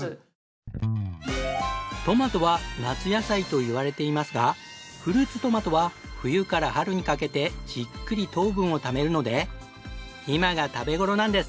トマトは夏野菜といわれていますがフルーツトマトは冬から春にかけてじっくり糖分をためるので今が食べ頃なんです。